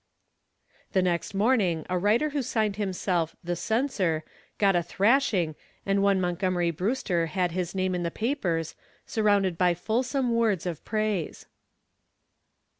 The next morning a writer who signed himself "The Censor" got a thrashing and one Montgomery Brewster had his name in the papers, surrounded by fulsome words of praise.